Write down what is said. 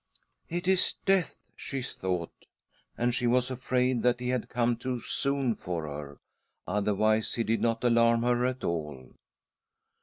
"It is Death," she thought, and she was afraid that he had come too soon for her ; otherwise he did not alarm her at all.